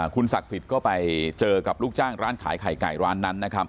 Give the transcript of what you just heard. ครูศักษิษฐ์ก็ไปเจอกับลูกจ้างร้านขายไข่ไก่ร้านนั้น